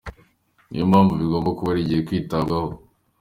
Ni yo mpamvu bigomba buri gihe kwitabwaho."